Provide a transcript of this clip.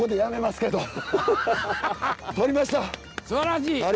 すばらしい！